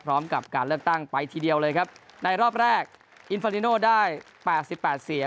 พร้อมกับการเลือกตั้งไปทีเดียวเลยครับในรอบแรกอินฟานิโนได้แปดสิบแปดเสียง